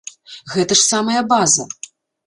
Гэта ж самая база.